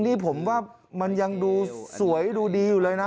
นี่ผมว่ามันยังดูสวยดูดีอยู่เลยนะ